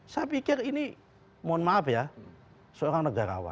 saya pikir ini mohon maaf ya seorang negarawan